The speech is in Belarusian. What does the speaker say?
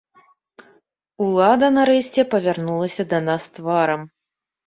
Улада, нарэшце, павярнулася да нас тварам.